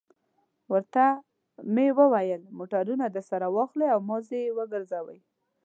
ورته مې وویل: موټرونه درسره واخلئ او مازې یې وګرځوئ.